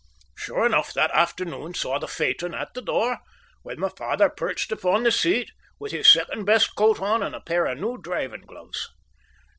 Sure enough that afternoon saw the phaeton at the door, with my father perched upon the seat, with his second best coat on and a pair of new driving gloves.